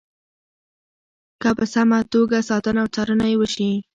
که په سمه توګه ساتنه او څارنه یې وشي.